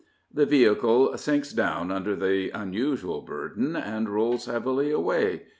The vehicle sinks down under the unusual burden and rolls heavily away.